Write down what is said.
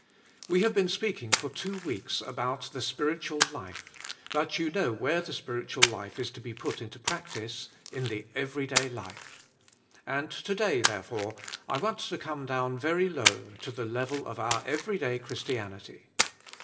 We have been speaking for two weeks about the spiritual life, but you know where the spiritual life is to be put into practice — in the every day life. And to day, therefore, I want to come down very low, to the level of our everyday Chris tianity.